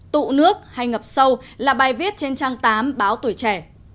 tụ nước hay ngập sâu là bài viết trên trang tám báo tuổi trẻ